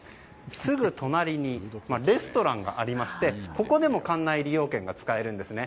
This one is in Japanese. すぐ隣にレストランがありましてここでも館内利用券が使えます。